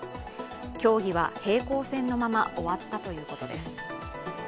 協議は平行線のまま終わったということです。